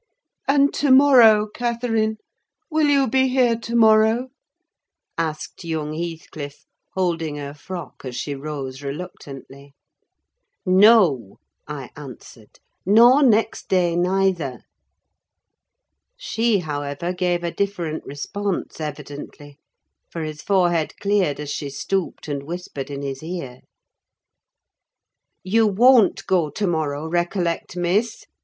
"And to morrow, Catherine, will you be here to morrow?" asked young Heathcliff, holding her frock as she rose reluctantly. "No," I answered, "nor next day neither." She, however, gave a different response evidently, for his forehead cleared as she stooped and whispered in his ear. "You won't go to morrow, recollect, Miss!"